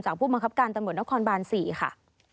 ผู้บังคับการตำรวจนครบาน๔ค่ะ